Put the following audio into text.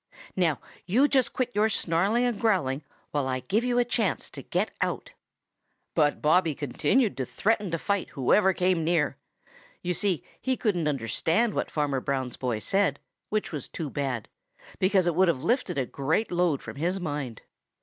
Now you just quit your snarling and growling while I give you a chance to get out." But Bobby continued to threaten to fight whoever came near. You see, he couldn't understand what Farmer Brown's boy said, which was too bad, because it would have lifted a great load from his mind.